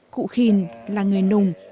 cụ khìn là người nùng